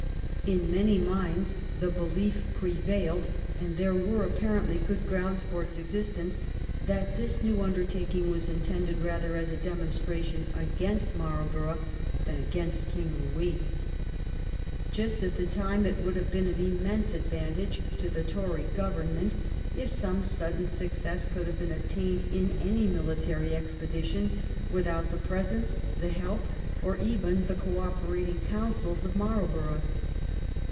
In many minds the belief prevailed, and there were apparently good grounds for its existence, that this new undertaking was intended rather as a demonstration against Marl borough than against King Louis. Just at the tima it would have been of immense advantage to the Tory Government if some sudden success could have been obtained in any mihtary expedition without the presence, the help, or even the co operating counsels of Marlborough.